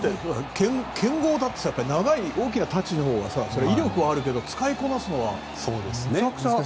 剣豪だって大きな太刀のほうが威力はあるけど使いこなすのはめちゃくちゃ。